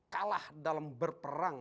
kalah dalam berperang